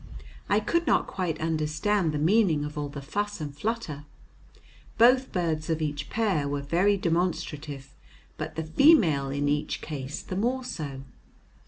I could not quite understand the meaning of all the fuss and flutter. Both birds of each pair were very demonstrative, but the female in each case the more so.